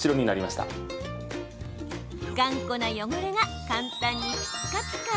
頑固な汚れが簡単にピッカピカ。